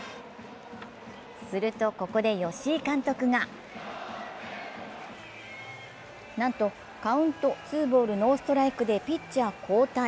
すると、ここで吉井監督がなんとカウントツーボールノーストライクでピッチャー交代。